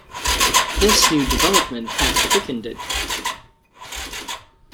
This new development had quickened it.